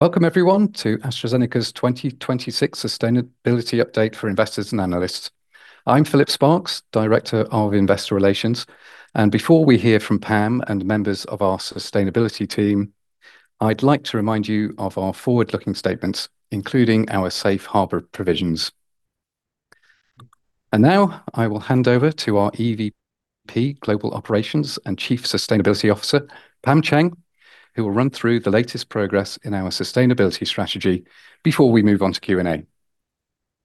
Welcome everyone to AstraZeneca's 2026 Sustainability Update for investors and analysts. I'm Philip Sparks, Director of Investor Relations. Before we hear from Pam and members of our sustainability team, I'd like to remind you of our forward-looking statements, including our safe harbor provisions. Now I will hand over to our EVP Global Operations and Chief Sustainability Officer, Pam Cheng, who will run through the latest progress in our sustainability strategy before we move on to Q&A.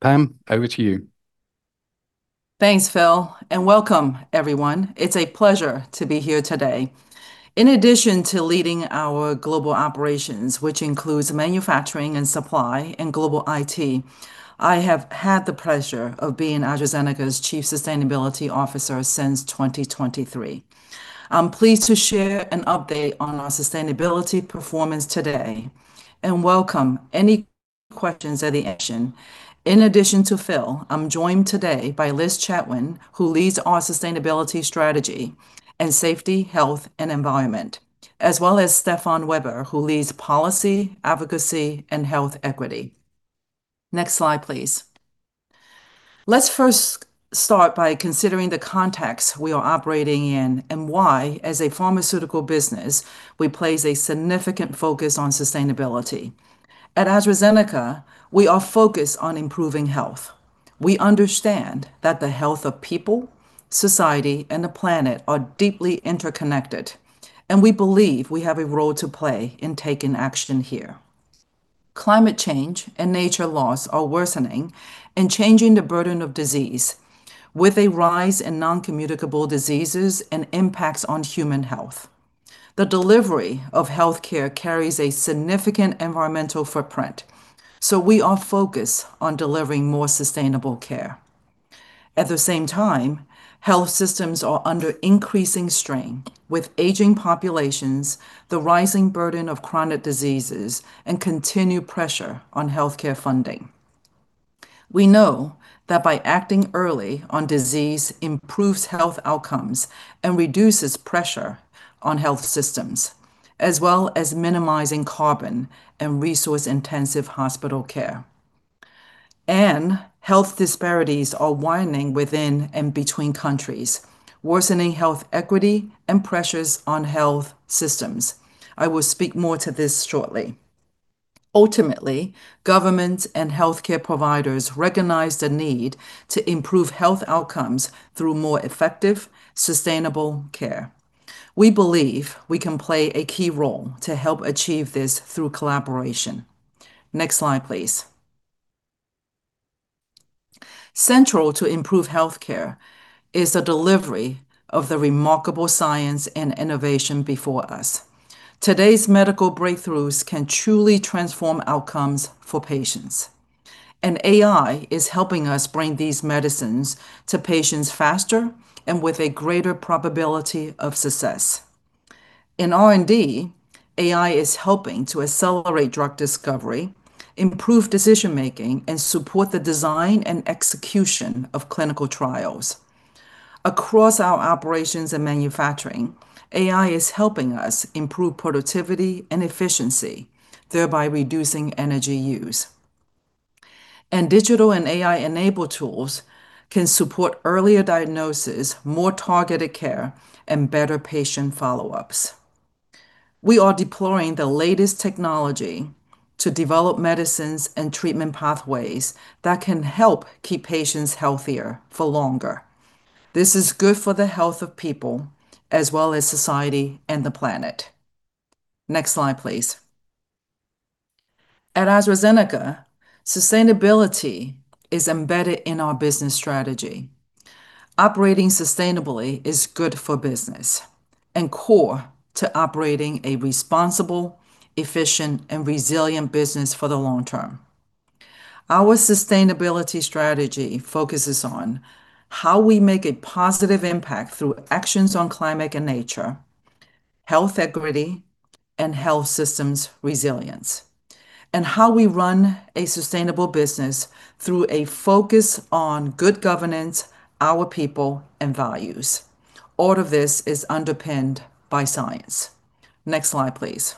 Pam, over to you. Thanks, Phil, and welcome everyone. It's a pleasure to be here today. In addition to leading our global operations, which includes manufacturing and supply and global IT, I have had the pleasure of being AstraZeneca's Chief Sustainability Officer since 2023. I'm pleased to share an update on our sustainability performance today, and welcome any questions at the end. In addition to Phil, I'm joined today by Liz Chatwin, who leads our sustainability strategy and safety, health, and environment, as well as Stefan Weber, who leads policy, advocacy, and health equity. Next slide, please. Let's first start by considering the context we are operating in and why, as a pharmaceutical business, we place a significant focus on sustainability. At AstraZeneca, we are focused on improving health. We understand that the health of people, society, and the planet are deeply interconnected, and we believe we have a role to play in taking action here. Climate change and nature loss are worsening and changing the burden of disease with a rise in non-communicable diseases and impacts on human health. The delivery of healthcare carries a significant environmental footprint, we are focused on delivering more sustainable care. At the same time, health systems are under increasing strain with aging populations, the rising burden of chronic diseases, and continued pressure on healthcare funding. We know that by acting early on disease improves health outcomes and reduces pressure on health systems, as well as minimizing carbon and resource-intensive hospital care. Health disparities are widening within and between countries, worsening health equity and pressures on health systems. I will speak more to this shortly. Ultimately, governments and healthcare providers recognize the need to improve health outcomes through more effective, sustainable care. We believe we can play a key role to help achieve this through collaboration. Next slide, please. Central to improved healthcare is the delivery of the remarkable science and innovation before us. Today's medical breakthroughs can truly transform outcomes for patients, AI is helping us bring these medicines to patients faster and with a greater probability of success. In R&D, AI is helping to accelerate drug discovery, improve decision-making, and support the design and execution of clinical trials. Across our operations and manufacturing, AI is helping us improve productivity and efficiency, thereby reducing energy use. Digital and AI-enabled tools can support earlier diagnosis, more targeted care, and better patient follow-ups. We are deploying the latest technology to develop medicines and treatment pathways that can help keep patients healthier for longer. This is good for the health of people as well as society and the planet. Next slide, please. At AstraZeneca, sustainability is embedded in our business strategy. Operating sustainably is good for business and core to operating a responsible, efficient, and resilient business for the long term. Our sustainability strategy focuses on how we make a positive impact through actions on climate and nature, health equity, and health systems resilience, and how we run a sustainable business through a focus on good governance, our people, and values. All of this is underpinned by science. Next slide, please.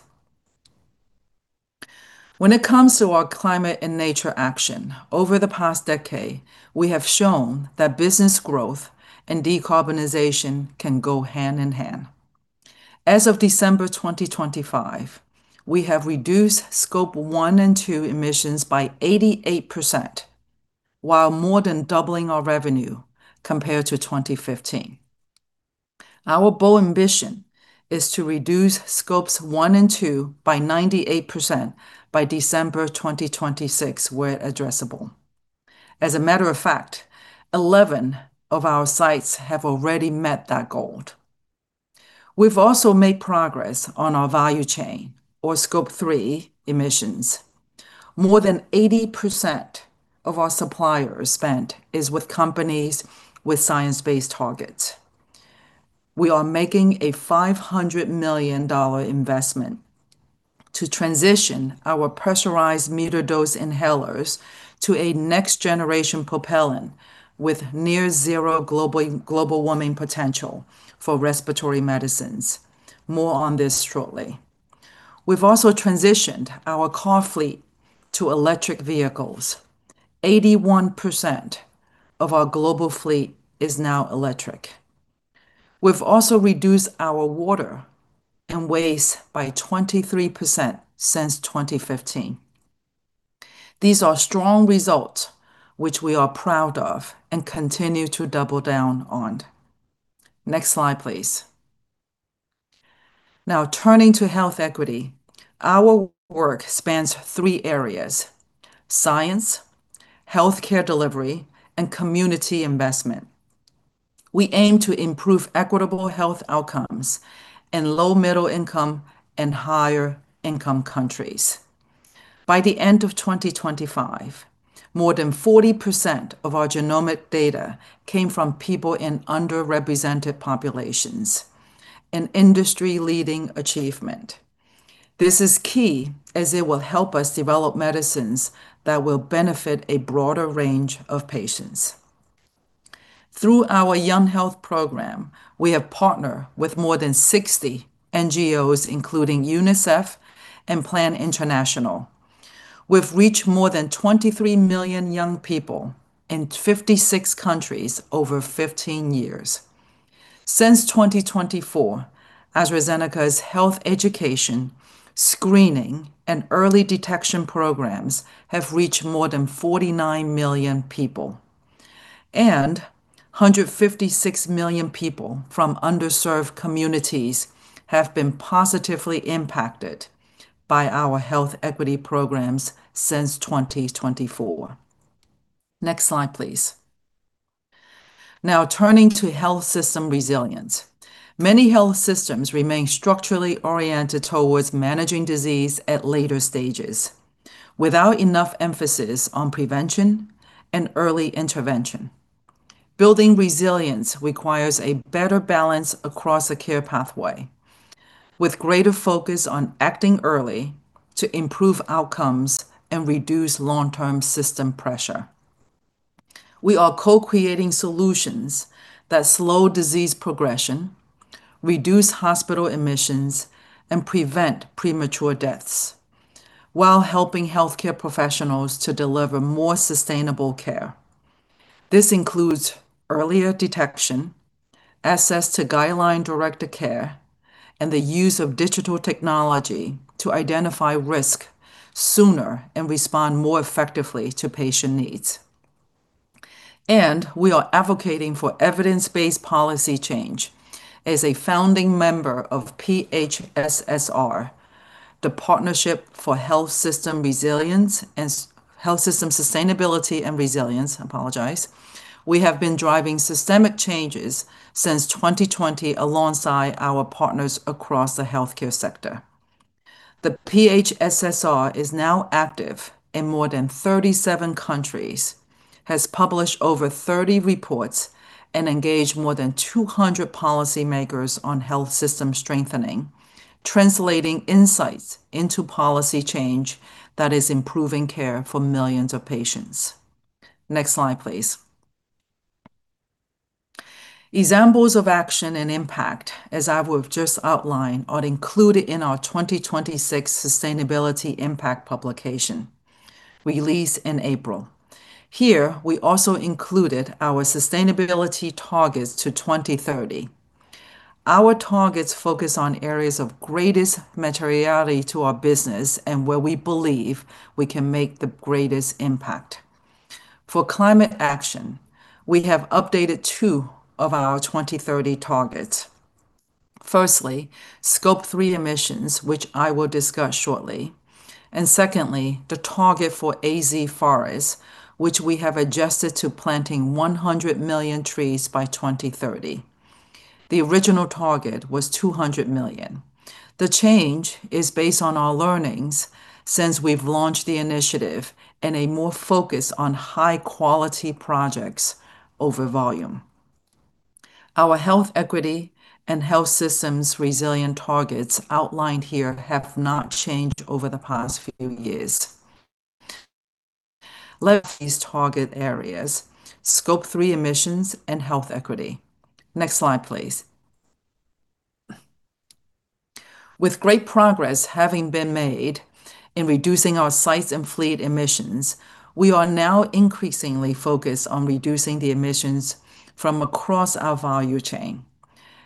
When it comes to our climate and nature action, over the past decade, we have shown that business growth and decarbonization can go hand in hand. As of December 2025, we have reduced Scope 1 and 2 emissions by 88%, while more than doubling our revenue compared to 2015. Our bold ambition is to reduce Scopes 1 and 2 by 98% by December 2026, where addressable. As a matter of fact, 11 of our sites have already met that goal. We've also made progress on our value chain or Scope 3 emissions. More than 80% of our supplier spend is with companies with science-based targets. We are making a $500 million investment to transition our pressurized metered dose inhalers to a next-generation propellant with near zero global warming potential for respiratory medicines. More on this shortly. We've also transitioned our car fleet to electric vehicles. 81% of our global fleet is now electric. We've also reduced our water and waste by 23% since 2015. These are strong results which we are proud of and continue to double down on. Next slide, please. Now turning to health equity, our work spends three areas; Science, Healthcare Delivery, and Community Investment. We aim to improve equitable health outcomes in low, middle income, and higher income countries. By the end of 2025, more than 40% of our genomic data came from people in underrepresented populations, an industry-leading achievement. This is key as it will help us develop medicines that will benefit a broader range of patients. Through our Young Health Programme, we have partnered with more than 60 NGOs, including UNICEF and Plan International. We've reached more than 23 million young people in 56 countries over 15 years. Since 2024, AstraZeneca's health education, screening, and early detection programs have reached more than 49 million people, and 156 million people from underserved communities have been positively impacted by our health equity programs since 2024. Next slide, please. Now turning to health system resilience, many health systems remain structurally oriented towards managing disease at later stages, without enough emphasis on prevention and early intervention. Building resilience requires a better balance across the care pathway, with greater focus on acting early to improve outcomes and reduce long-term system pressure. We are co-creating solutions that slow disease progression, reduce hospital admissions, and prevent premature deaths while helping healthcare professionals to deliver more sustainable care. This includes earlier detection, access to guideline-directed care, and the use of digital technology to identify risk sooner and respond more effectively to patient needs. We are advocating for evidence-based policy change. As a founding member of PHSSR, the Partnership for Health System Sustainability and Resilience, we have been driving systemic changes since 2020 alongside our partners across the healthcare sector. The PHSSR is now active in more than 37 countries, has published over 30 reports, and engaged more than 200 policymakers on health system strengthening, translating insights into policy change that is improving care for millions of patients. Next slide, please. Examples of action and impact, as I have just outlined, are included in our 2026 Sustainability Impact publication released in April. Here, we also included our sustainability targets to 2030. Our targets focus on areas of greatest materiality to our business and where we believe we can make the greatest impact. For climate action, we have updated two of our 2030 targets. Firstly, Scope 3 emissions, which I will discuss shortly, and secondly, the target for AZ Forest, which we have adjusted to planting 100 million trees by 2030. The original target was 200 million. The change is based on our learnings since we've launched the initiative and a more focus on high-quality projects over volume. Our health equity and health systems resilience targets outlined here have not changed over the past few years. Let us target areas, Scope 3 emissions and health equity. Next slide, please. With great progress having been made in reducing our sites and fleet emissions, we are now increasingly focused on reducing the emissions from across our value chain.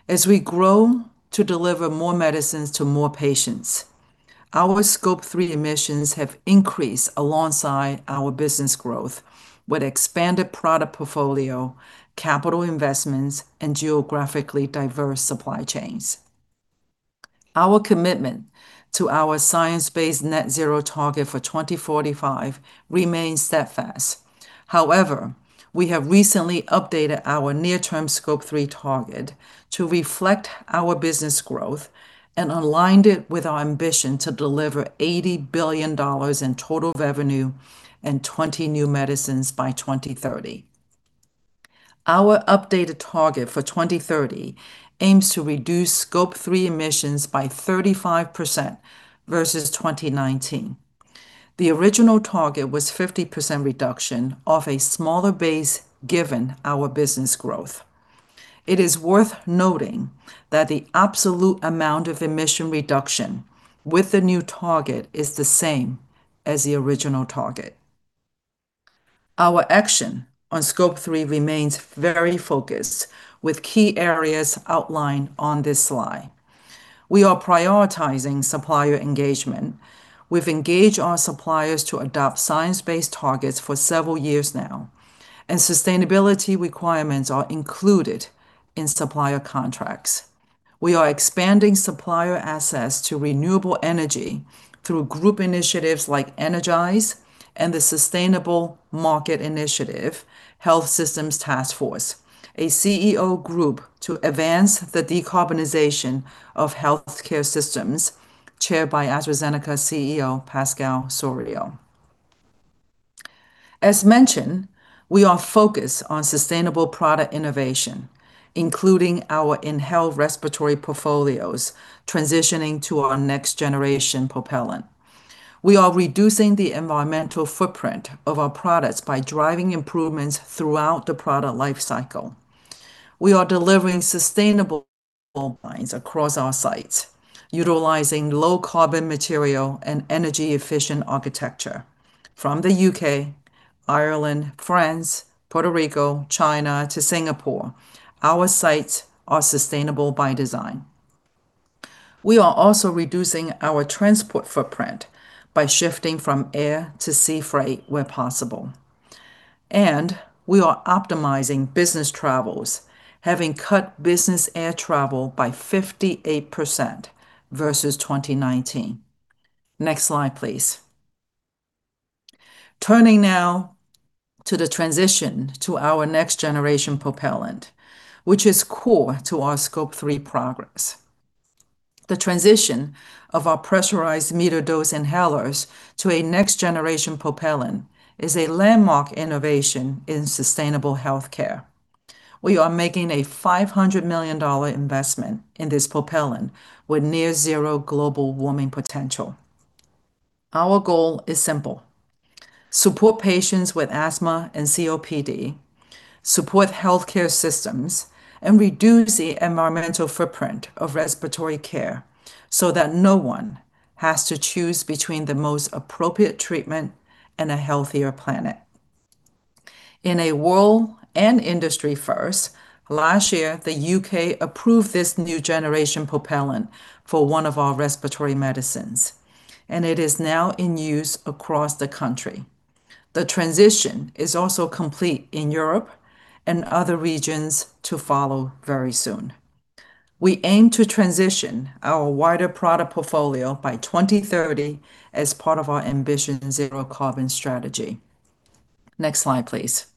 As we grow to deliver more medicines to more patients, our Scope 3 emissions have increased alongside our business growth with expanded product portfolio, capital investments, and geographically diverse supply chains. Our commitment to our science-based net zero target for 2045 remains steadfast. We have recently updated our near-term Scope 3 target to reflect our business growth and aligned it with our ambition to deliver $80 billion in total revenue and 20 new medicines by 2030. Our updated target for 2030 aims to reduce Scope 3 emissions by 35% versus 2019. The original target was 50% reduction off a smaller base given our business growth. It is worth noting that the absolute amount of emission reduction with the new target is the same as the original target. Our action on Scope 3 remains very focused, with key areas outlined on this slide. We are prioritizing supplier engagement. We've engaged our suppliers to adopt science-based targets for several years now, and sustainability requirements are included in supplier contracts. We are expanding supplier access to renewable energy through group initiatives like Energize and the Sustainable Markets Initiative Health Systems Task Force, a CEO group to advance the decarbonization of healthcare systems chaired by AstraZeneca CEO Pascal Soriot. As mentioned, we are focused on sustainable product innovation, including our inhaled respiratory portfolios transitioning to our next-generation propellant. We are reducing the environmental footprint of our products by driving improvements throughout the product life cycle. We are delivering sustainable designs across our sites, utilizing low-carbon material and energy-efficient architecture. From the U.K., Ireland, France, Puerto Rico, China to Singapore, our sites are sustainable by design. We are also reducing our transport footprint by shifting from air to sea freight where possible, and we are optimizing business travels, having cut business air travel by 58% versus 2019. Next slide, please. Turning now to the transition to our next-generation propellant, which is core to our Scope 3 progress. The transition of our pressurized metered-dose inhalers to a next-generation propellant is a landmark innovation in sustainable healthcare. We are making a $500 million investment in this propellant with near zero global warming potential. Our goal is simple: support patients with asthma and COPD, support healthcare systems, and reduce the environmental footprint of respiratory care so that no one has to choose between the most appropriate treatment and a healthier planet. In a world and industry first, last year, the U.K. approved this next-generation propellant for one of our respiratory medicines, and it is now in use across the country. The transition is also complete in Europe and other regions to follow very soon. We aim to transition our wider product portfolio by 2030 as part of our Ambition Zero Carbon. Next slide, please.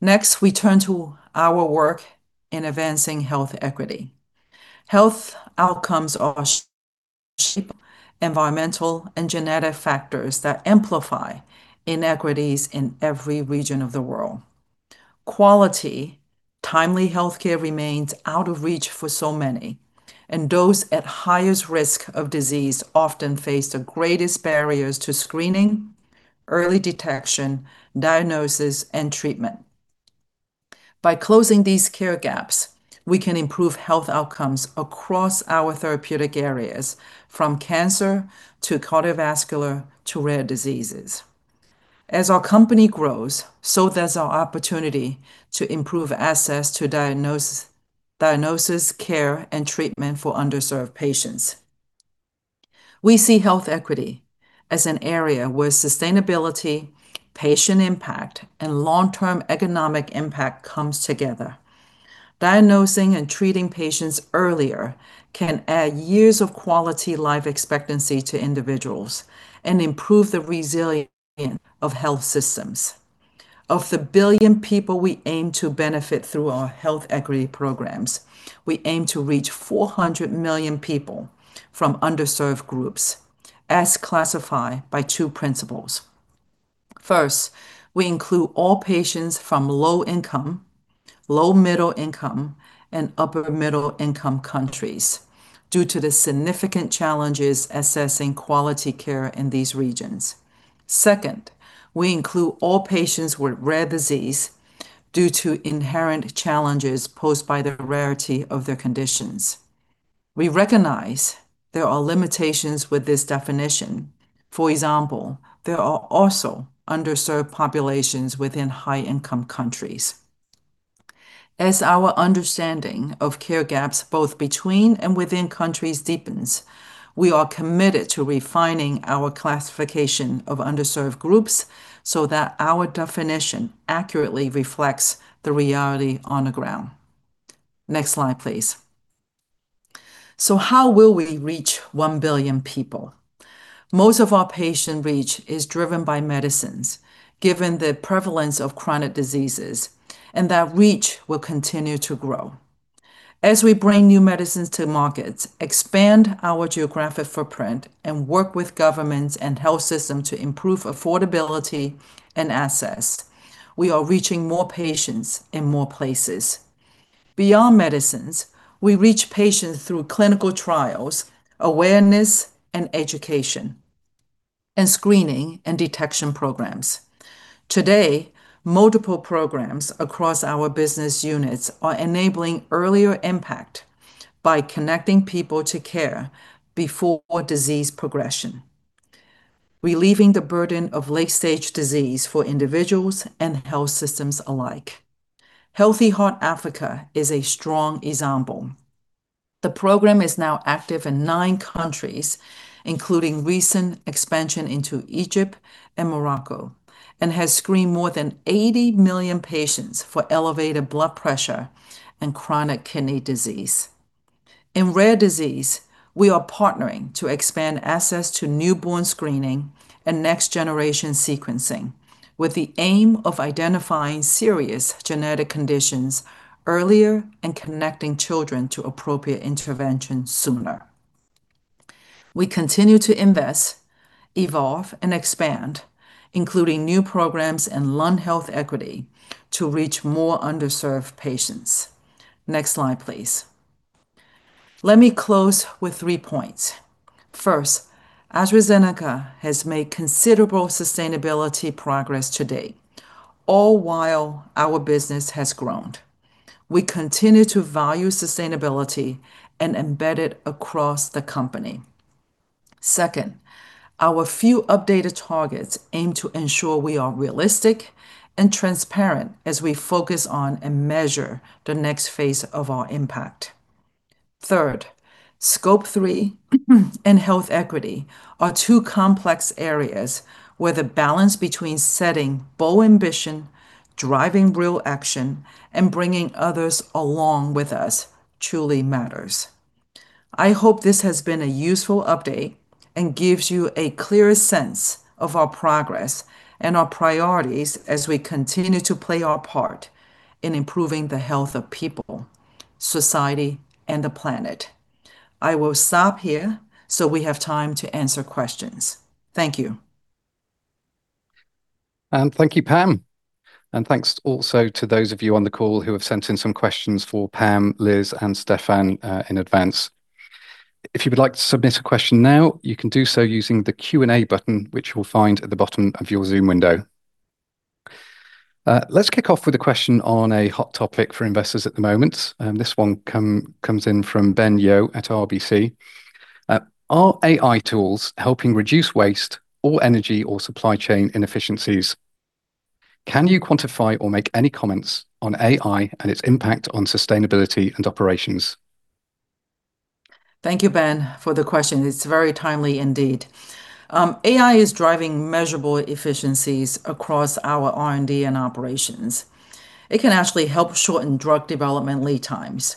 We turn to our work in advancing health equity. Health outcomes are shaped by environmental and genetic factors that amplify inequities in every region of the world. Quality, timely healthcare remains out of reach for so many, and those at highest risk of disease often face the greatest barriers to screening, early detection, diagnosis, and treatment. By closing these care gaps, we can improve health outcomes across our therapeutic areas, from cancer to cardiovascular to rare diseases. As our company grows, so does our opportunity to improve access to diagnosis, care, and treatment for underserved patients. We see health equity as an area where sustainability, patient impact, and long-term economic impact comes together. Diagnosing and treating patients earlier can add years of quality life expectancy to individuals and improve the resilience of health systems. Of the billion people we aim to benefit through our health equity programs, we aim to reach 400 million people from underserved groups as classified by two principles. First, we include all patients from low-income, low- and middle-income, and upper-middle-income countries due to the significant challenges accessing quality care in these regions. Second, we include all patients with rare disease due to inherent challenges posed by the rarity of their conditions. We recognize there are limitations with this definition. For example, there are also underserved populations within high-income countries. As our understanding of care gaps both between and within countries deepens, we are committed to refining our classification of underserved groups so that our definition accurately reflects the reality on the ground. Next slide, please. How will we reach 1 billion people? Most of our patient reach is driven by medicines, given the prevalence of chronic diseases, and that reach will continue to grow. As we bring new medicines to markets, expand our geographic footprint, and work with governments and health systems to improve affordability and access, we are reaching more patients in more places. Beyond medicines, we reach patients through clinical trials, awareness, and education. Screening and detection programs. Today, multiple programs across our business units are enabling earlier impact by connecting people to care before disease progression, relieving the burden of late-stage disease for individuals and health systems alike. Healthy Heart Africa is a strong example. The program is now active in nine countries, including recent expansion into Egypt and Morocco, and has screened more than 80 million patients for elevated blood pressure and chronic kidney disease. In rare disease, we are partnering to expand access to newborn screening and next-generation sequencing, with the aim of identifying serious genetic conditions earlier and connecting children to appropriate intervention sooner. We continue to invest, evolve, and expand, including new programs in lung health equity to reach more underserved patients. Next slide, please. Let me close with three points. First, AstraZeneca has made considerable sustainability progress to date, all while our business has grown. We continue to value sustainability and embed it across the company. Second, our few updated targets aim to ensure we are realistic and transparent as we focus on and measure the next phase of our impact. Third, Scope 3 and health equity are two complex areas where the balance between setting bold ambition, driving real action, and bringing others along with us truly matters. I hope this has been a useful update and gives you a clear sense of our progress and our priorities as we continue to play our part in improving the health of people, society, and the planet. I will stop here so we have time to answer questions. Thank you. Thank you, Pam. Thanks also to those of you on the call who have sent in some questions for Pam, Liz, and Stefan in advance. If you would like to submit a question now, you can do so using the Q&A button, which you'll find at the bottom of your Zoom window. Let's kick off with a question on a hot topic for investors at the moment. This one comes in from Ben Yeoh at RBC. Are AI tools helping reduce waste or energy or supply chain inefficiencies? Can you quantify or make any comments on AI and its impact on sustainability and operations? Thank you, Ben, for the question. It's very timely indeed. AI is driving measurable efficiencies across our R&D and operations. It can actually help shorten drug development lead times,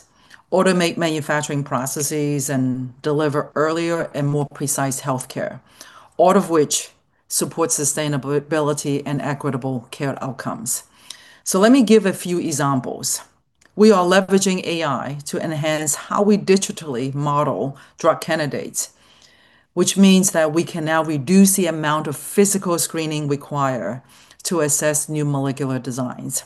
automate manufacturing processes, and deliver earlier and more precise healthcare, all of which support sustainability and equitable care outcomes. Let me give a few examples. We are leveraging AI to enhance how we digitally model drug candidates, which means that we can now reduce the amount of physical screening required to assess new molecular designs.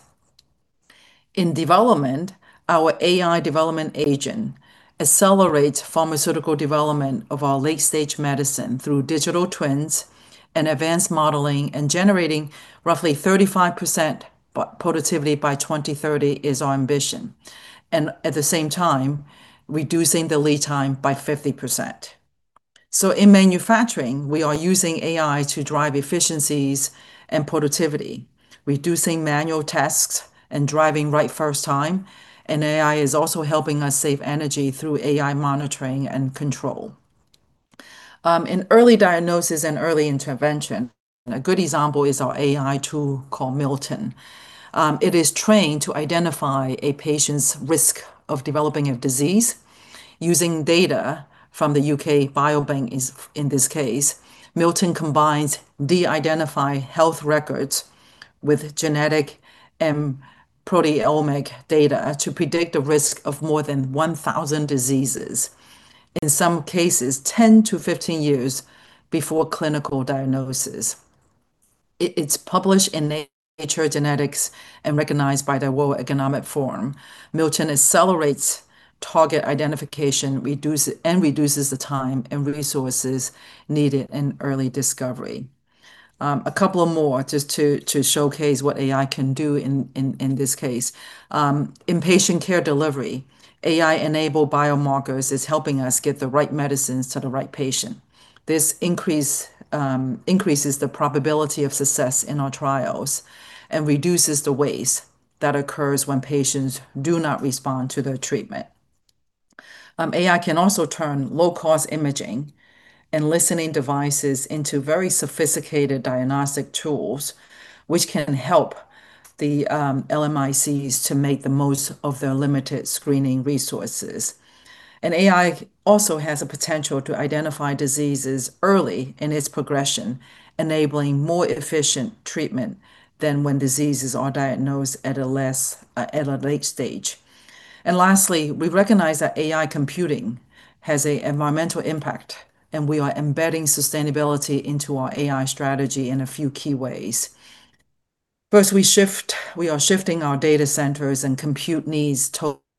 In development, our AI development agent accelerates pharmaceutical development of our late-stage medicine through digital twins and advanced modeling, generating roughly 35% productivity by 2030 is our ambition. At the same time, reducing the lead time by 50%. In manufacturing, we are using AI to drive efficiencies and productivity, reducing manual tasks and driving right first time, and AI is also helping us save energy through AI monitoring and control. In early diagnosis and early intervention, a good example is our AI tool called MILTON. It is trained to identify a patient's risk of developing a disease using data from the UK Biobank, in this case. MILTON combines de-identified health records with genetic and proteomics data to predict the risk of more than 1,000 diseases, in some cases 10 to 15 years before clinical diagnosis. It's published in Nature Genetics and recognized by the World Economic Forum. MILTON accelerates target identification and reduces the time and resources needed in early discovery. A couple of more just to showcase what AI can do in this case. In patient care delivery, AI-enabled biomarkers is helping us get the right medicines to the right patient. This increases the probability of success in our trials and reduces the waste that occurs when patients do not respond to their treatment. AI can also turn low-cost imaging and listening devices into very sophisticated diagnostic tools, which can help the LMICs to make the most of their limited screening resources. AI also has a potential to identify diseases early in its progression, enabling more efficient treatment than when diseases are diagnosed at a late stage. Lastly, we recognize that AI computing has an environmental impact, and we are embedding sustainability into our AI strategy in a few key ways. First, we are shifting our data centers and compute needs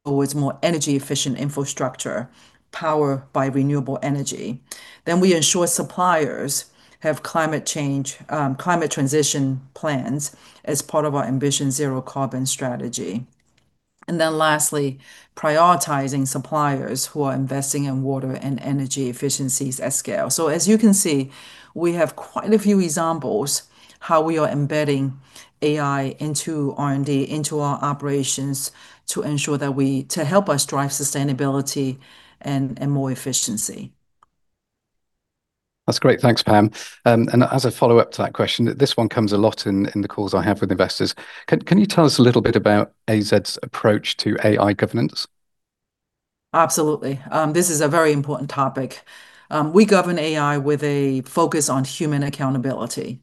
towards more energy efficient infrastructure, power by renewable energy. We ensure suppliers have climate transition plans as part of our Ambition Zero Carbon strategy. Lastly, prioritizing suppliers who are investing in water and energy efficiencies at scale. As you can see, we have quite a few examples how we are embedding AI into R&D, into our operations to help us drive sustainability and more efficiency. That's great. Thanks, Pam. As a follow-up to that question, this one comes a lot in the calls I have with investors. Can you tell us a little bit about AZ's approach to AI governance? Absolutely. This is a very important topic. We govern AI with a focus on human accountability,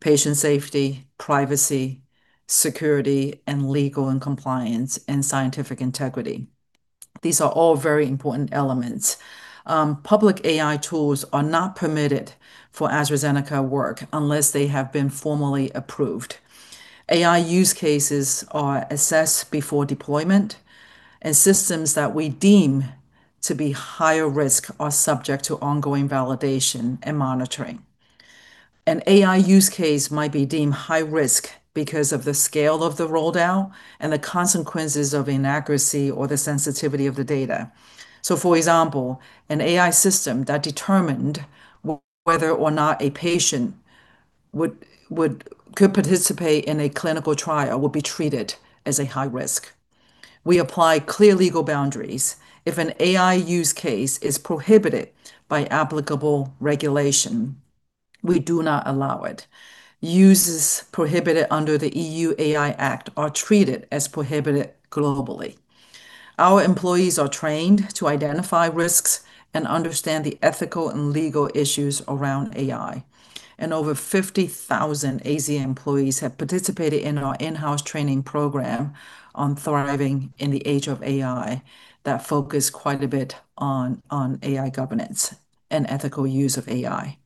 patient safety, privacy, security, and legal and compliance, and scientific integrity. These are all very important elements. Public AI tools are not permitted for AstraZeneca work unless they have been formally approved. AI use cases are assessed before deployment, and systems that we deem to be higher risk are subject to ongoing validation and monitoring. An AI use case might be deemed high risk because of the scale of the roll-down and the consequences of inaccuracy or the sensitivity of the data. For example, an AI system that determined whether or not a patient could participate in a clinical trial will be treated as a high risk. We apply clear legal boundaries. If an AI use case is prohibited by applicable regulation, we do not allow it. Uses prohibited under the EU AI Act are treated as prohibited globally. Our employees are trained to identify risks and understand the ethical and legal issues around AI. Over 50,000 AZ employees have participated in our in-house training program on Thriving in the Age of AI that focus quite a bit on AI governance and ethical use of AI.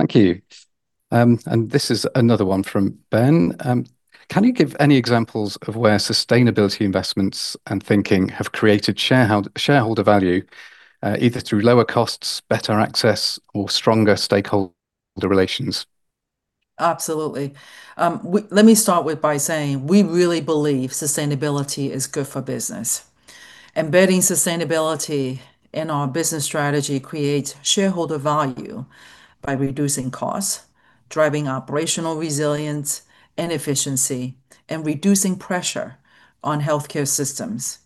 Thank you. This is another one from Ben. Can you give any examples of where sustainability investments and thinking have created shareholder value, either through lower costs, better access, or stronger stakeholder relations? Absolutely. Let me start with by saying we really believe sustainability is good for business. Embedding sustainability in our business strategy creates shareholder value by reducing costs, driving operational resilience and efficiency, and reducing pressure on healthcare systems,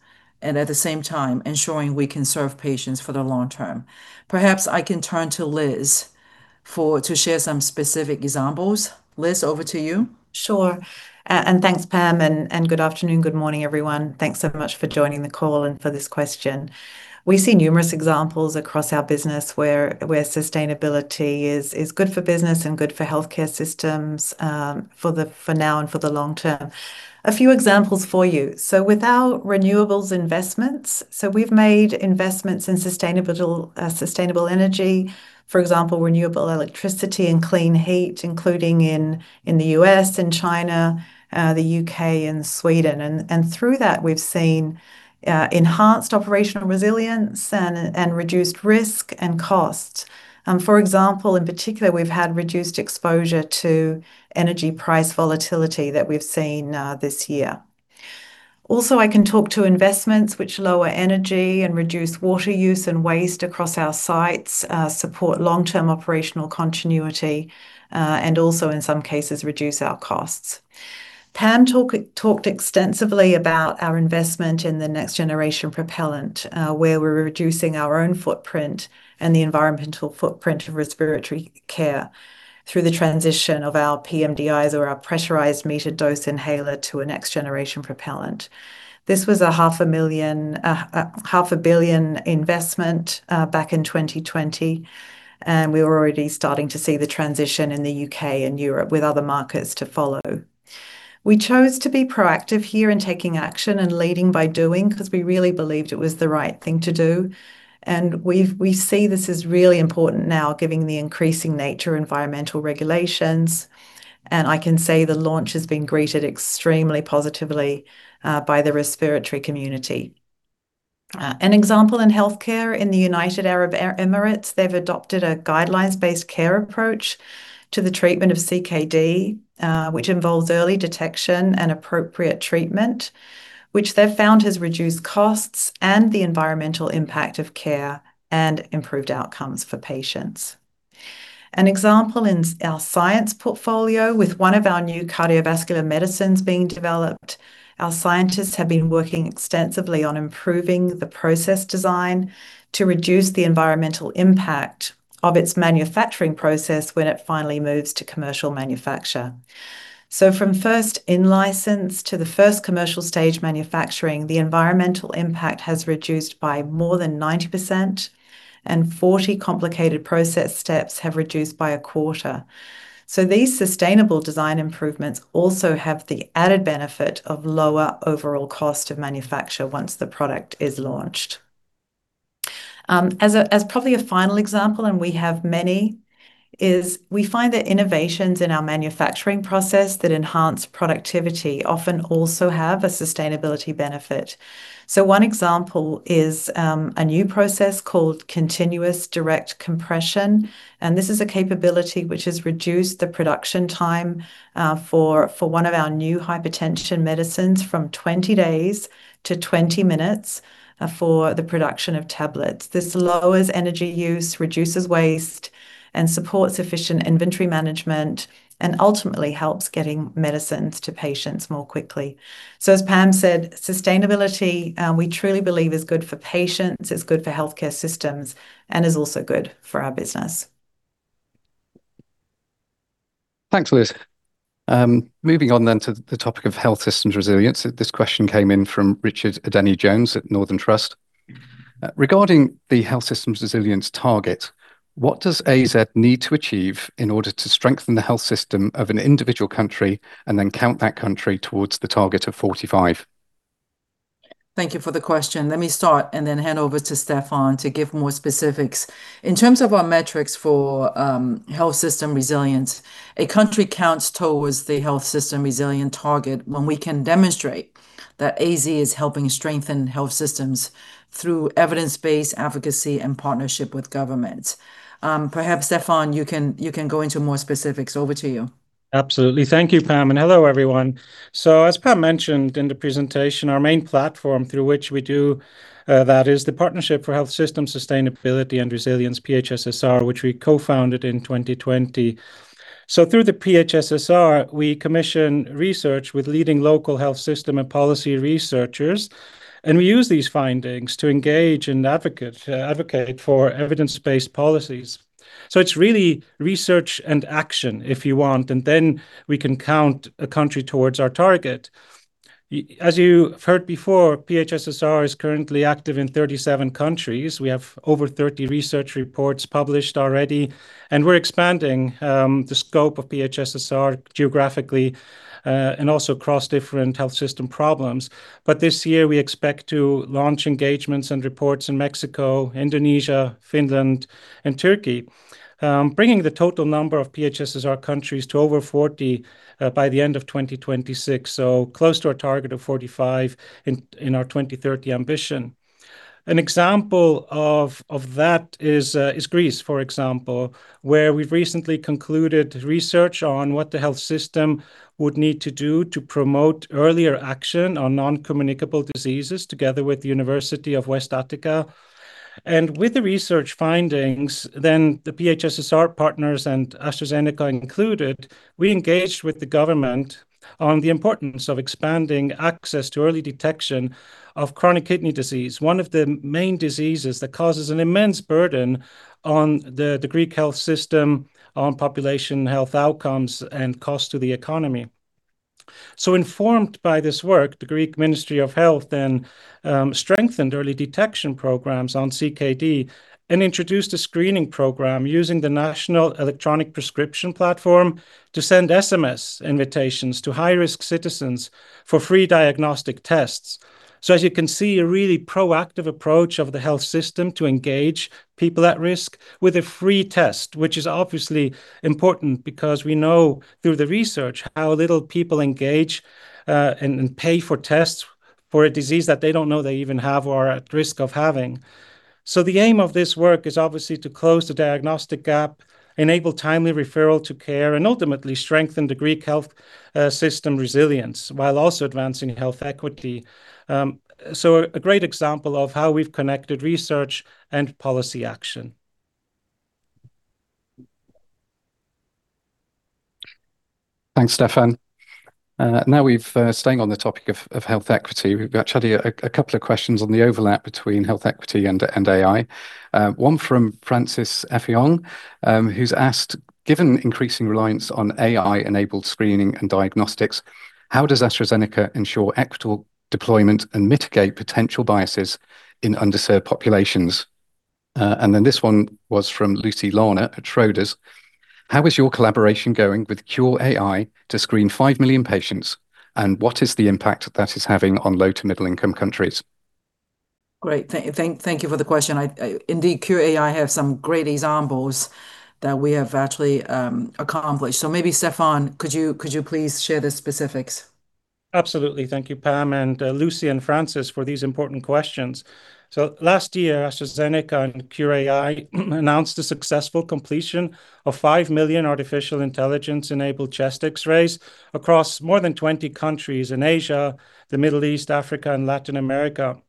and at the same time, ensuring we can serve patients for the long term. Perhaps I can turn to Liz to share some specific examples. Liz, over to you. Sure. Thanks, Pam, and good afternoon, good morning, everyone. Thanks so much for joining the call and for this question. We see numerous examples across our business where sustainability is good for business and good for healthcare systems for now and for the long term. A few examples for you. With our renewables investments, so we've made investments in sustainable energy, for example, renewable electricity and clean heat, including in the U.S. and China, the U.K., and Sweden. Through that, we've seen enhanced operational resilience and reduced risk and costs. For example, in particular, we've had reduced exposure to energy price volatility that we've seen this year. Also, I can talk to investments which lower energy and reduce water use and waste across our sites, support long-term operational continuity, and also in some cases, reduce our costs. Pam talked extensively about our investment in the next-generation propellant, where we're reducing our own footprint and the environmental footprint of respiratory care through the transition of our pMDIs or our pressurized metered-dose inhaler to a next-generation propellant. This was a half a billion investment back in 2020, and we're already starting to see the transition in the U.K. and Europe with other markets to follow. We chose to be proactive here in taking action and leading by doing because we really believed it was the right thing to do, and we see this as really important now, giving the increasing nature environmental regulations. I can say the launch has been greeted extremely positively by the respiratory community. An example in healthcare in the United Arab Emirates, they've adopted a guidelines-based care approach to the treatment of CKD, which involves early detection and appropriate treatment, which they've found has reduced costs and the environmental impact of care and improved outcomes for patients. An example in our science portfolio with one of our new cardiovascular medicines being developed, our scientists have been working extensively on improving the process design to reduce the environmental impact of its manufacturing process when it finally moves to commercial manufacture. From first in license to the first commercial stage manufacturing, the environmental impact has reduced by more than 90%, and 40 complicated process steps have reduced by a quarter. These sustainable design improvements also have the added benefit of lower overall cost of manufacture once the product is launched. As probably a final example, and we have many, is we find that innovations in our manufacturing process that enhance productivity often also have a sustainability benefit. One example is a new process called continuous direct compression, and this is a capability which has reduced the production time for one of our new hypertension medicines from 20 days to 20 minutes for the production of tablets. This lowers energy use, reduces waste, and supports efficient inventory management, and ultimately helps getting medicines to patients more quickly. As Pam said, sustainability, we truly believe is good for patients, it's good for healthcare systems, and is also good for our business. Thanks, Liz. Moving on to the topic of health systems resilience. This question came in from Richard Adeniyi-Jones at Northern Trust. "Regarding the health systems resilience target, what does AZ need to achieve in order to strengthen the health system of an individual country, and then count that country towards the target of 45? Thank you for the question. Let me start and then hand over to Stefan to give more specifics. In terms of our metrics for health system resilience, a country counts towards the health system resilient target when we can demonstrate that AZ is helping strengthen health systems through evidence-based advocacy and partnership with governments. Perhaps, Stefan, you can go into more specifics. Over to you. Absolutely. Thank you, Pam, and hello, everyone. As Pam mentioned in the presentation, our main platform through which we do that is the Partnership for Health System Sustainability and Resilience, PHSSR, which we co-founded in 2020. Through the PHSSR, we commission research with leading local health system and policy researchers, and we use these findings to engage and advocate for evidence-based policies. It's really research and action, if you want, and then we can count a country towards our target. As you heard before, PHSSR is currently active in 37 countries. We have over 30 research reports published already, and we're expanding the scope of PHSSR geographically, and also across different health system problems. This year we expect to launch engagements and reports in Mexico, Indonesia, Finland, and Turkey, bringing the total number of PHSSR countries to over 40 by the end of 2026, close to our target of 45 in our 2030 ambition. An example of that is Greece, for example, where we've recently concluded research on what the health system would need to do to promote earlier action on non-communicable diseases, together with the University of West Attica. With the research findings, then the PHSSR partners and AstraZeneca included, we engaged with the government on the importance of expanding access to early detection of chronic kidney disease, one of the main diseases that causes an immense burden on the Greek health system, on population health outcomes, and cost to the economy. Informed by this work, the Greek Ministry of Health then strengthened early detection programs on CKD and introduced a screening program using the National Electronic Prescription Platform to send SMS invitations to high-risk citizens for free diagnostic tests. As you can see, a really proactive approach of the health system to engage people at risk with a free test, which is obviously important because we know through the research how little people engage, and pay for tests for a disease that they don't know they even have or are at risk of having. The aim of this work is obviously to close the diagnostic gap, enable timely referral to care, and ultimately strengthen the Greek health system resilience while also advancing health equity. A great example of how we've connected research and policy action. Thanks, Stefan. Now we've staying on the topic of health equity. We've actually a couple of questions on the overlap between health equity and AI. One from Francis Effiong, who's asked, "Given increasing reliance on AI-enabled screening and diagnostics, how does AstraZeneca ensure equitable deployment and mitigate potential biases in underserved populations?" This one was from Lucy Larner at Schroders, "How is your collaboration going with Qure.ai to screen 5 million patients, and what is the impact that is having on low to middle income countries? Great. Thank you for the question. Indeed, Qure.ai have some great examples that we have actually accomplished. Maybe Stefan, could you please share the specifics? Absolutely. Thank you, Pam and Lucy and Francis for these important questions. Last year, AstraZeneca and Qure.ai announced a successful completion of 5 million artificial intelligence-enabled chest X-rays across more than 20 countries in Asia, the Middle East, Africa, and Latin America.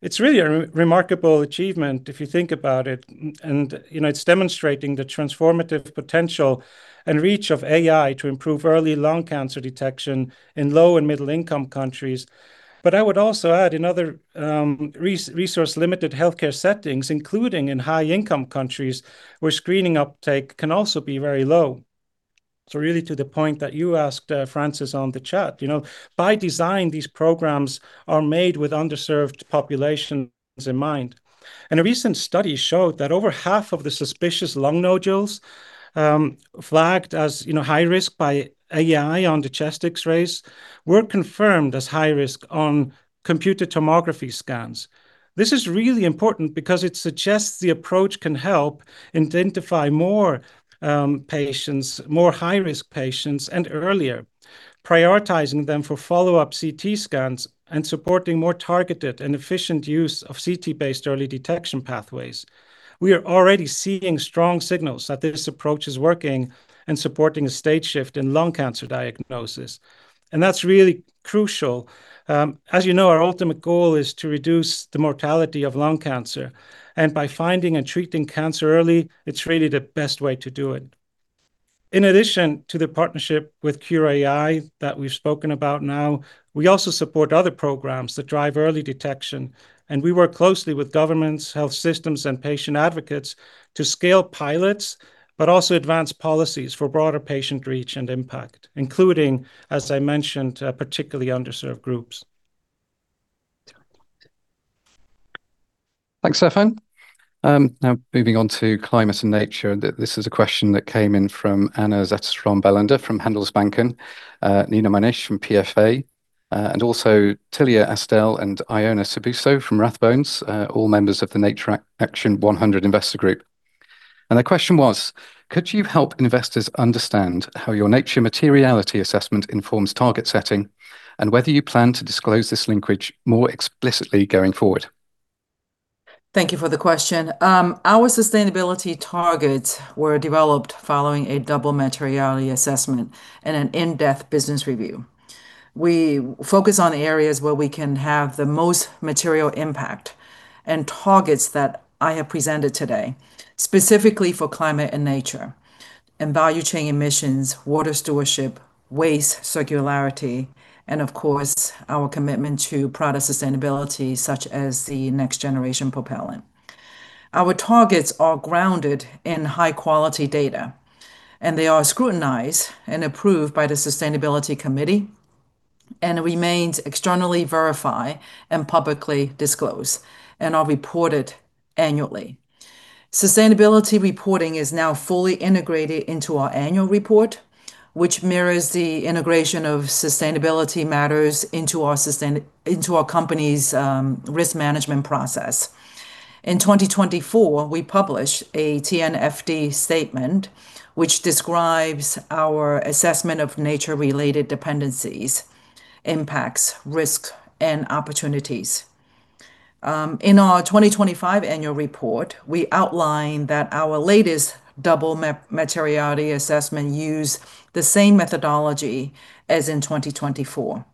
It's really a remarkable achievement if you think about it, and it's demonstrating the transformative potential and reach of AI to improve early lung cancer detection in low and middle income countries. I would also add in other resource-limited healthcare settings, including in high income countries, where screening uptake can also be very low. Really to the point that you asked, Francis, on the chat. By design, these programs are made with underserved populations in mind. A recent study showed that over half of the suspicious lung nodules flagged as high risk by AI on the chest X-rays were confirmed as high risk on computed tomography scans. This is really important because it suggests the approach can help identify more high-risk patients and earlier, prioritizing them for follow-up CT scans and supporting more targeted and efficient use of CT-based early detection pathways. We are already seeing strong signals that this approach is working and supporting a stage shift in lung cancer diagnosis, and that's really crucial. As you know, our ultimate goal is to reduce the mortality of lung cancer. By finding and treating cancer early, it's really the best way to do it. In addition to the partnership with Qure.ai that we've spoken about now, we also support other programs that drive early detection. We work closely with governments, health systems, and patient advocates to scale pilots, but also advance policies for broader patient reach and impact, including, as I mentioned, particularly underserved groups. Thanks, Stefan. Now moving on to climate and nature. This is a question that came in from Anna Zetterström Bellander from Handelsbanken, Nina Manish from PFA, and also Tilia Astell and Iona Sibuso from Rathbones, all members of the Nature Action 100 Investor group. The question was: could you help investors understand how your nature materiality assessment informs target setting, and whether you plan to disclose this linkage more explicitly going forward? Thank you for the question. Our sustainability targets were developed following a double materiality assessment and an in-depth business review. We focus on areas where we can have the most material impact. Targets that I have presented today, specifically for climate and nature and value chain emissions, water stewardship, waste circularity, and of course, our commitment to product sustainability, such as the next-generation propellant. Our targets are grounded in high-quality data. They are scrutinized and approved by the sustainability committee, remains externally verified and publicly disclosed and are reported annually. Sustainability reporting is now fully integrated into our annual report, which mirrors the integration of sustainability matters into our company's risk management process. In 2024, we published a TNFD statement, which describes our assessment of nature-related dependencies, impacts, risks, and opportunities. In our 2025 annual report, we outlined that our latest double materiality assessment used the same methodology as in 2024.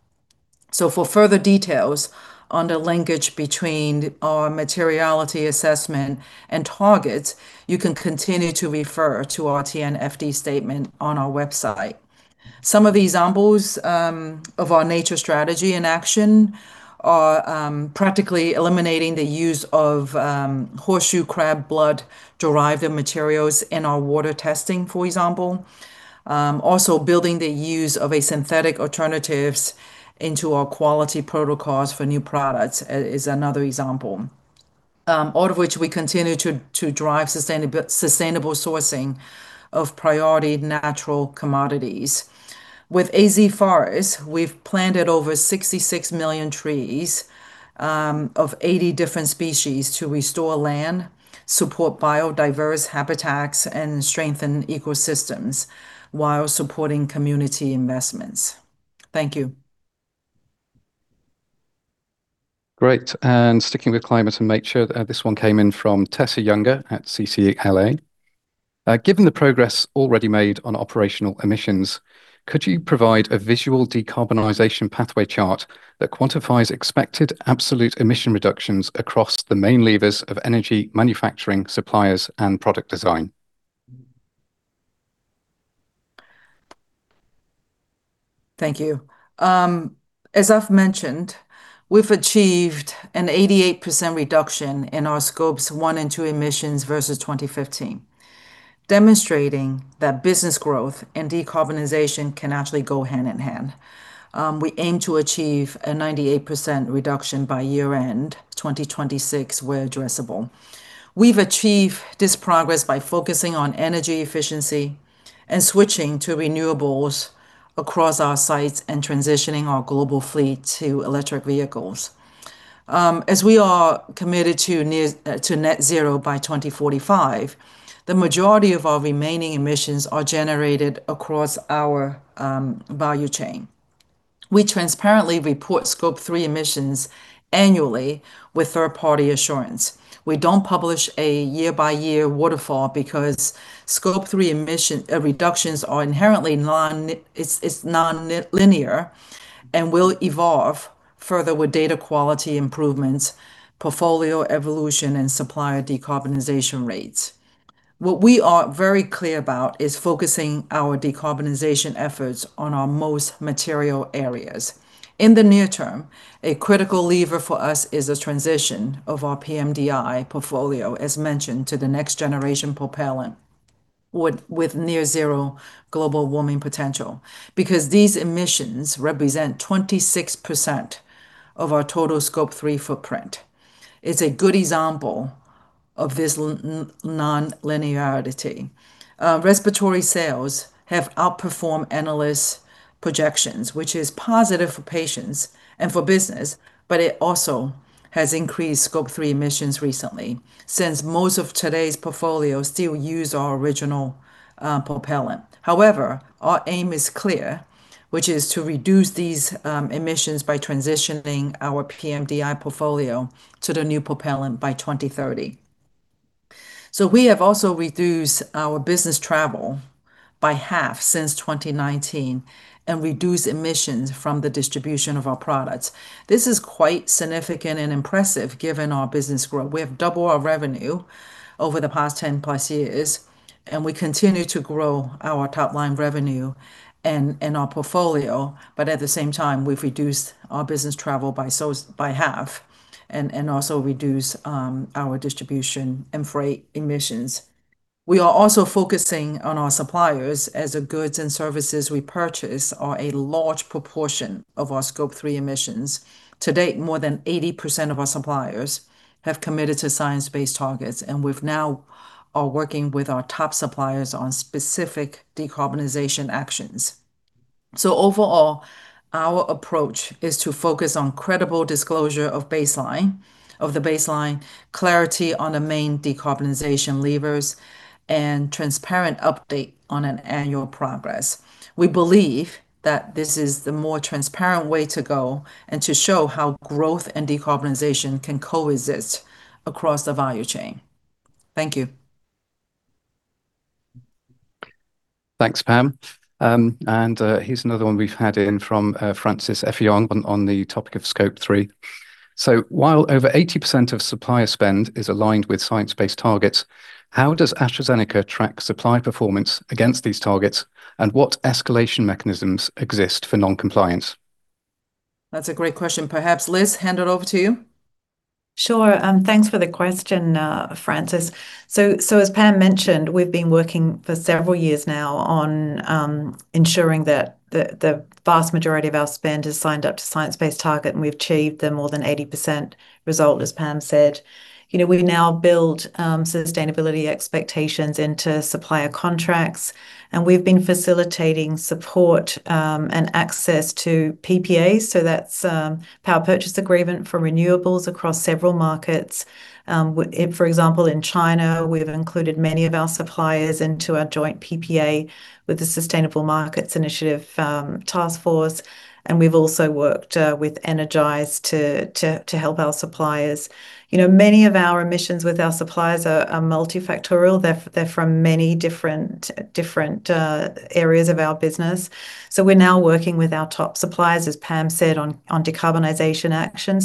For further details on the linkage between our materiality assessment and targets, you can continue to refer to our TNFD statement on our website. Some of the examples of our nature strategy in action are practically eliminating the use of horseshoe crab blood-derived materials in our water testing, for example. Building the use of synthetic alternatives into our quality protocols for new products is another example, all of which we continue to drive sustainable sourcing of priority natural commodities. With AZ Forest, we've planted over 66 million trees of 80 different species to restore land, support biodiverse habitats, and strengthen ecosystems while supporting community investments. Thank you. Great, sticking with climate and nature, this one came in from Tessa Younger at CCLA. Given the progress already made on operational emissions, could you provide a visual decarbonization pathway chart that quantifies expected absolute emission reductions across the main levers of energy manufacturing, suppliers, and product design? Thank you. As I've mentioned, we've achieved an 88% reduction in our Scope 1 and Scope 2 emissions versus 2015, demonstrating that business growth and decarbonization can actually go hand in hand. We aim to achieve a 98% reduction by year-end 2026, where addressable. We've achieved this progress by focusing on energy efficiency and switching to renewables across our sites and transitioning our global fleet to electric vehicles. As we are committed to net zero by 2045, the majority of our remaining emissions are generated across our value chain. We transparently report Scope 3 emissions annually with third-party assurance. We don't publish a year-by-year waterfall because Scope 3 emission reductions is non-linear and will evolve further with data quality improvements, portfolio evolution, and supplier decarbonization rates. What we are very clear about is focusing our decarbonization efforts on our most material areas. In the near term, a critical lever for us is the transition of our pMDI portfolio, as mentioned, to the next-generation propellant with near zero global warming potential. Because these emissions represent 26% of our total Scope 3 footprint. It's a good example of this non-linearity. Respiratory sales have outperformed analyst projections, which is positive for patients and for business, it also has increased Scope 3 emissions recently, since most of today's portfolio still use our original propellant. However, our aim is clear, which is to reduce these emissions by transitioning our pMDI portfolio to the new propellant by 2030. We have also reduced our business travel by half since 2019 and reduced emissions from the distribution of our products. This is quite significant and impressive given our business growth. We have doubled our revenue over the past 10+ years, we continue to grow our top-line revenue and our portfolio, at the same time, we've reduced our business travel by half and also reduced our distribution and freight emissions. We are also focusing on our suppliers as the goods and services we purchase are a large proportion of our Scope 3 emissions. To date, more than 80% of our suppliers have committed to science-based targets, and we now are working with our top suppliers on specific decarbonization actions. Overall, our approach is to focus on credible disclosure of the baseline, clarity on the main decarbonization levers, and transparent update on an annual progress. We believe that this is the more transparent way to go and to show how growth and decarbonization can coexist across the value chain. Thank you. Thanks, Pam. Here's another one we've had in from Francis Effiong on the topic of Scope 3. While over 80% of supplier spend is aligned with science-based targets, how does AstraZeneca track supplier performance against these targets? What escalation mechanisms exist for non-compliance? That's a great question. Perhaps, Liz, hand it over to you. Sure. Thanks for the question, Francis. As Pam mentioned, we've been working for several years now on ensuring that the vast majority of our spend is signed up to science-based target, and we've achieved the more than 80% result, as Pam said. We've now built sustainability expectations into supplier contracts, and we've been facilitating support and access to PPAs. That's power purchase agreement for renewables across several markets. For example, in China, we've included many of our suppliers into our joint PPA with the Sustainable Markets Initiative task force, and we've also worked with Energize to help our suppliers. Many of our emissions with our suppliers are multifactorial. They're from many different areas of our business. We're now working with our top suppliers, as Pam said, on decarbonization action.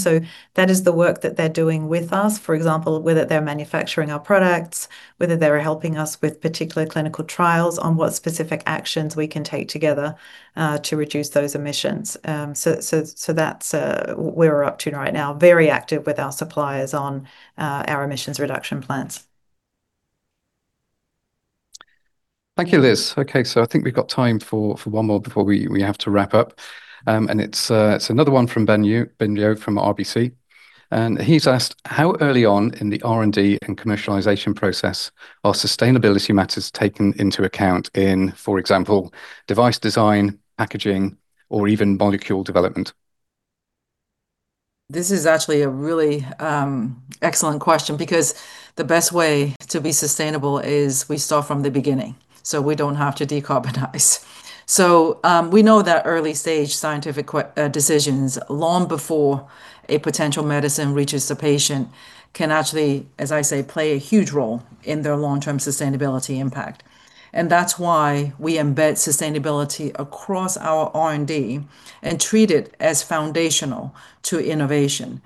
That is the work that they're doing with us. For example, whether they're manufacturing our products, whether they're helping us with particular clinical trials on what specific actions we can take together to reduce those emissions. That's what we're up to right now, very active with our suppliers on our emissions reduction plans. Thank you, Liz. I think we've got time for one more before we have to wrap up. It's another one from Ben Yeoh, Ben Yeoh from RBC, and he's asked, how early on in the R&D and commercialization process are sustainability matters taken into account in, for example, device design, packaging, or even molecule development? This is actually a really excellent question because the best way to be sustainable is we start from the beginning, so we don't have to decarbonize. We know that early-stage scientific decisions, long before a potential medicine reaches the patient, can actually, as I say, play a huge role in their long-term sustainability impact. That's why we embed sustainability across our R&D and treat it as foundational to innovation.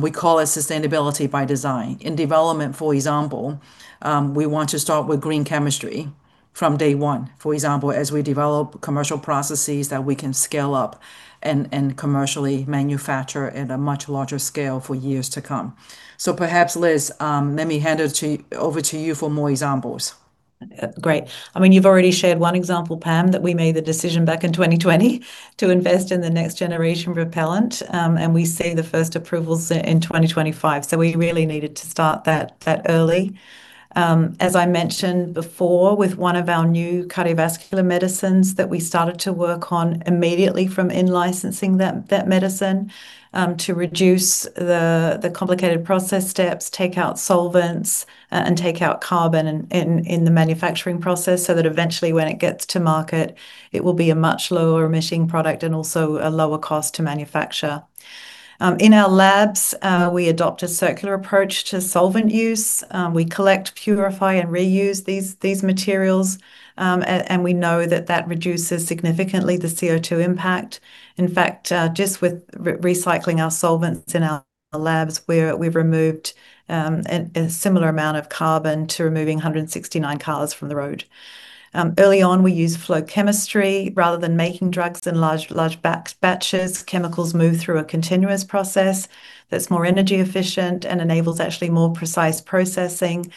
We call it sustainability by design. In development, for example, we want to start with green chemistry from day one. For example, as we develop commercial processes that we can scale up and commercially manufacture at a much larger scale for years to come. Perhaps, Liz, let me hand it over to you for more examples. Great. You've already shared one example, Pam Cheng, that we made the decision back in 2020 to invest in the next-generation propellant, and we see the first approvals in 2025. We really needed to start that early. As I mentioned before, with one of our new cardiovascular medicines that we started to work on immediately from in-licensing that medicine, to reduce the complicated process steps, take out solvents, and take out carbon in the manufacturing process so that eventually when it gets to market, it will be a much lower emitting product and also a lower cost to manufacture. In our labs, we adopt a circular approach to solvent use. We collect, purify, and reuse these materials. We know that that reduces significantly the CO2 impact. In fact, just with recycling our solvents in our labs, we've removed a similar amount of carbon to removing 169 cars from the road. Early on, we used flow chemistry rather than making drugs in large batches. Chemicals move through a continuous process that's more energy efficient and enables actually more precise processing.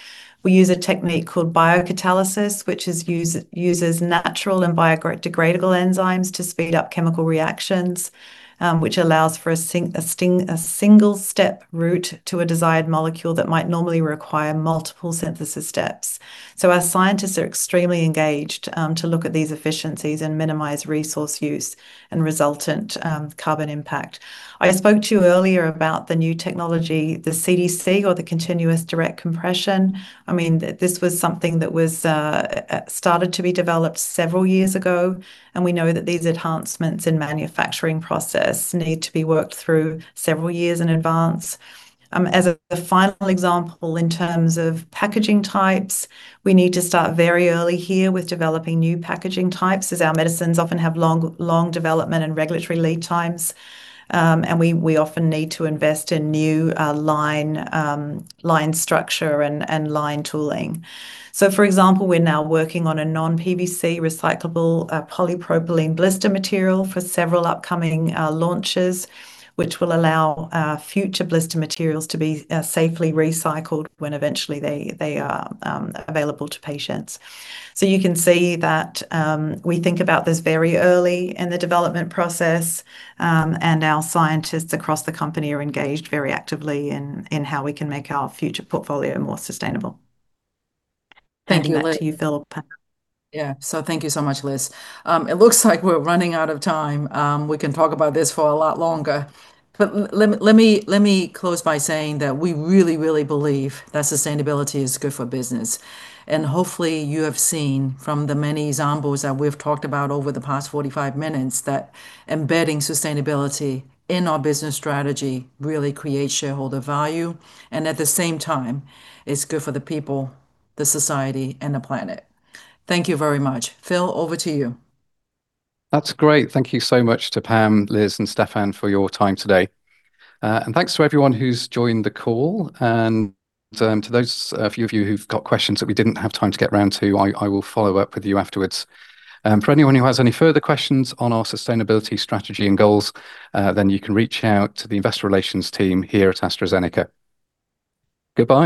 We use a technique called biocatalysis, which uses natural and biodegradable enzymes to speed up chemical reactions, which allows for a single-step route to a desired molecule that might normally require multiple synthesis steps. Our scientists are extremely engaged to look at these efficiencies and minimize resource use and resultant carbon impact. I spoke to you earlier about the new technology, the CDC, or the continuous direct compression. This was something that was started to be developed several years ago, and we know that these enhancements in manufacturing process need to be worked through several years in advance. As a final example, in terms of packaging types, we need to start very early here with developing new packaging types as our medicines often have long development and regulatory lead times. We often need to invest in new line structure and line tooling. For example, we're now working on a non-PVC recyclable polypropylene blister material for several upcoming launches, which will allow future blister materials to be safely recycled when eventually they are available to patients. You can see that we think about this very early in the development process. Our scientists across the company are engaged very actively in how we can make our future portfolio more sustainable. Thank you, Liz. Back to you, Philip. Yeah. Thank you so much, Liz. It looks like we're running out of time. We can talk about this for a lot longer. Let me close by saying that we really, really believe that sustainability is good for business. Hopefully you have seen from the many examples that we've talked about over the past 45 minutes, that embedding sustainability in our business strategy really creates shareholder value and, at the same time, is good for the people, the society, and the planet. Thank you very much. Phil, over to you. That's great. Thank you so much to Pam, Liz, and Stefan for your time today. Thanks to everyone who's joined the call. To those few of you who've got questions that we didn't have time to get round to, I will follow up with you afterwards. For anyone who has any further questions on our sustainability strategy and goals, then you can reach out to the investor relations team here at AstraZeneca. Goodbye